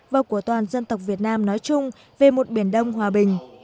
và của toàn dân tộc việt nam nói chung về một biển đông hòa bình